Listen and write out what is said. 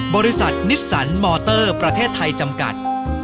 บริษัทนิสสันมอเตอร์ประเทศไทยจำกัด